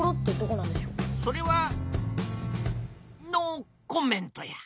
それはノーコメントや。